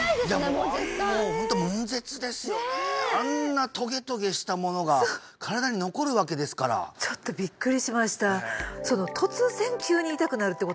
もう絶対もうホントもん絶ですよねねえあんなトゲトゲしたものが身体に残るわけですからちょっとビックリしましたそうですね